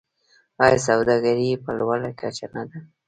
آیا سوداګري یې په لوړه کچه نه ده؟